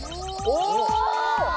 お！